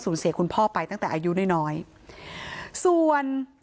สูญเสียคุณพ่อไปตั้งแต่อายุน้อยส่วน